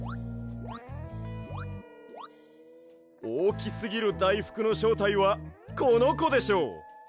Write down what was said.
おおきすぎるだいふくのしょうたいはこのこでしょう。